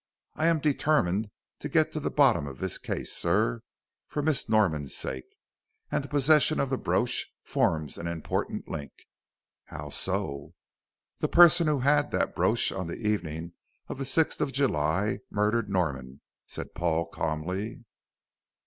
I am determined to get to the bottom of this case, sir, for Miss Norman's sake. And the possession of the brooch forms an important link." "How so?" "The person who had that brooch on the evening of the sixth of July murdered Norman," said Paul, calmly.